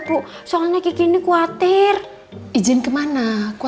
pak tolong buka ini ya pak